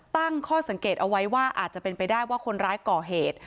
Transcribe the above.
ตั้งข้อสังเกตเอาไว้ว่าอาจจะเป็นไปได้ว่าคนร้ายก่อเหตุ